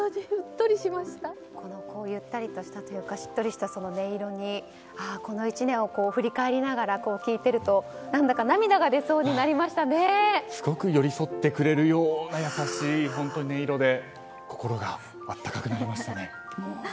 ゆったりしたというかしっとりした音色にこの１年を振り返りながら聴いていると、なんだかすごく寄り添ってくれるような優しい音色で心が温かくなりましたね。